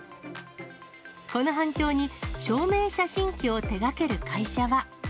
この反響に、証明写真機を手がける会社は。